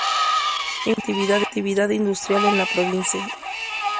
Impulsó la actividad industrial en la provincia.